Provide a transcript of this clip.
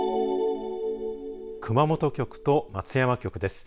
熊本局と松山局です。